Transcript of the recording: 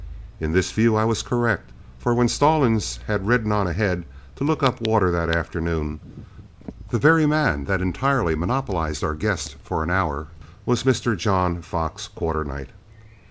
In this view I was correct, for when Stallings had ridden on ahead to look up water that afternoon, the very man that entirely monopolized our guest for an hour was Mr. John Fox Quarternight.